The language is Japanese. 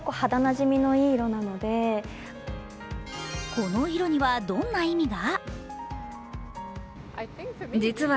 この色には、どんな意味が？